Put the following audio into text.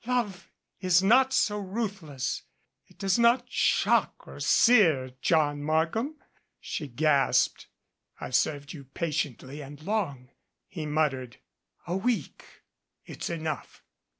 "Love is not so ruthless it does not shock or sear, John Markham," she gasped. "I've served you patiently and long," he muttered. "A week." "It's enough."